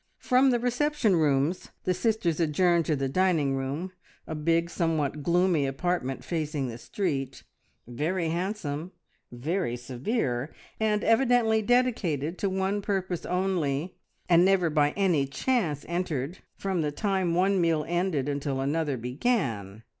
From the reception rooms the sisters adjourned to the dining room, a big, somewhat gloomy apartment facing the street, very handsome, very severe, and evidently dedicated to one purpose only, and never by any chance entered from the time one meal ended until another began.